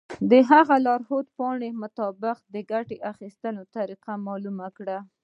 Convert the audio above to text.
د هغه د لارښود پاڼو مطابق د ګټې اخیستنې طریقه معلومه کړئ.